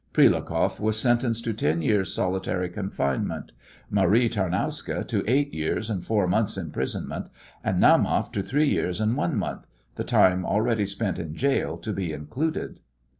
Prilukoff was sentenced to ten years' solitary confinement; Marie Tarnowska to eight years' and four months' imprisonment, and Naumoff to three years and one month, the time already spent in gaol to be included.